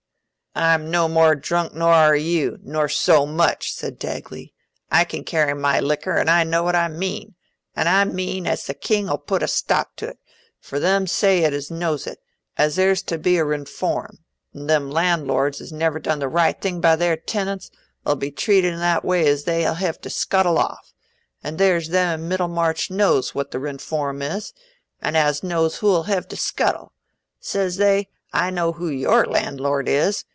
"I'm no more drunk nor you are, nor so much," said Dagley. "I can carry my liquor, an' I know what I meean. An' I meean as the King 'ull put a stop to 't, for them say it as knows it, as there's to be a Rinform, and them landlords as never done the right thing by their tenants 'ull be treated i' that way as they'll hev to scuttle off. An' there's them i' Middlemarch knows what the Rinform is—an' as knows who'll hev to scuttle. Says they, 'I know who your landlord is.